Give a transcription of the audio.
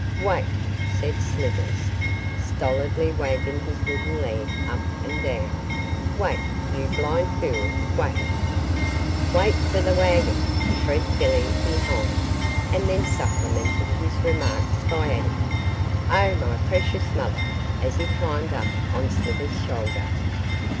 'Wait,' said Slivers, stolidly wagging his wooden leg up and down; 'wait, you blind fool, wait.' 'Wait for the waggon!' shrieked Billy, behind, and then supplemented his remarks by adding, 'Oh, my precious mother!' as he climbed up on Slivers' shoulder.